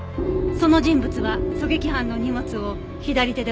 その人物は狙撃犯の荷物を左手で受け取っていた。